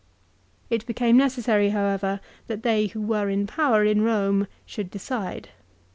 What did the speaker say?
It became necessary, however, that they who were in power in Eome should decide.